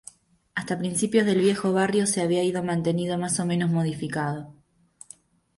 Hasta principios del el viejo barrio se había ido manteniendo más o menos modificado.